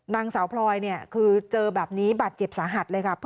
นางสาวพลอยเนี่ยคือเจอแบบนี้บาดเจ็บสาหัสเลยค่ะ